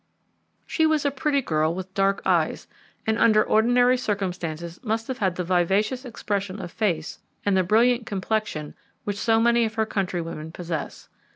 She was a pretty girl with dark eyes, and under ordinary circumstances must have had the vivacious expression of face and the brilliant complexion which so many of her countrywomen possess.